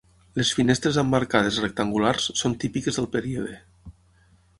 Les finestres emmarcades rectangulars són típiques del període.